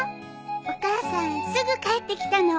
お母さんすぐ帰ってきたの。